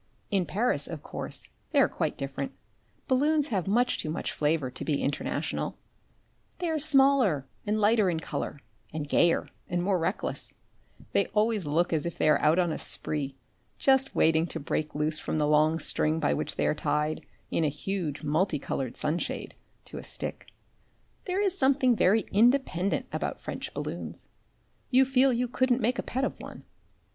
In Paris, of course, they are quite different balloons have much too much flavour to be international they are smaller and lighter in colour and gayer and more reckless they always look as if they were out on a spree, just waiting to break loose from the long string by which they are tied, in a huge multi coloured sunshade, to a stick. There is something very independent about French balloons you feel you couldn't make a pet of one.